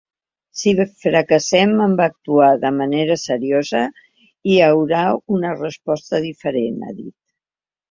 “Si fracassem en actuar de manera seriosa, hi haurà una resposta diferent”, ha dit.